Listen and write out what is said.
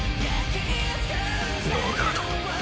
ノーガード。